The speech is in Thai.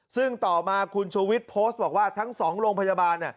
ซึ่งต่อมาคุณชูวิทย์โพสต์บอกว่าทั้ง๒โรงพยาบาล